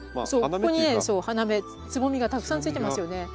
そうここにねそう花芽つぼみがたくさんついてますよね。